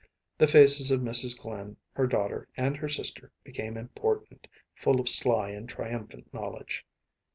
The faces of Mrs. Glynn, her daughter, and her sister became important, full of sly and triumphant knowledge.